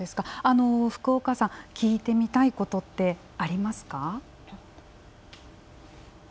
福岡さん聞いてみたいことってありますか？